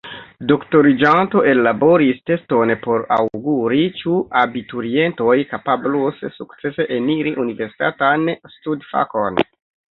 Doktoriĝanto ellaboris teston por aŭguri, ĉu abiturientoj kapablos sukcese eniri universitatan studfakon.